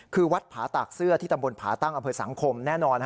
คือวัดผาตากเสื้อที่ตำบลผาตั้งอำเภอสังคมแน่นอน